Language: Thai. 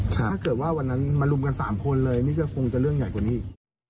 ถ้าเกิดว่าวันนั้นมารุมกัน๓คนเลยนี่ก็คงจะเรื่องใหญ่กว่านี้อีก